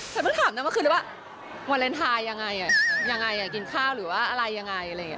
ฉันเพิ่งถามนั้นเมื่อคืนว่าวาเลนไทยยังไงยังไงกินข้าวหรือว่าอะไรยังไง